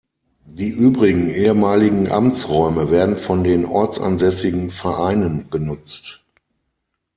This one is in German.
Die übrigen ehemaligen Amtsräume werden von den ortsansässigen Vereinen genutzt.